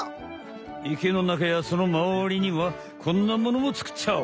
池の中やそのまわりにはこんなものもつくっちゃう！